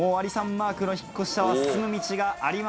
マークの引越社は進む道がありません。